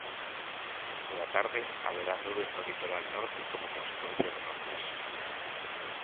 Pola tarde haberá nubes no litoral norte como consecuencia do nordés.